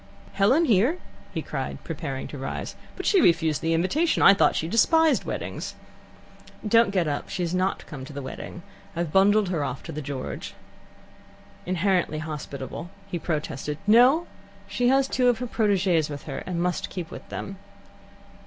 "Helen here?" he cried, preparing to rise. "But she refused the invitation. I thought she despised weddings." "Don't get up. She has not come to the wedding. I've bundled her off to the George." Inherently hospitable, he protested. "No; she has two of her proteges with her, and must keep with them."